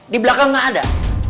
di belakang nggak ada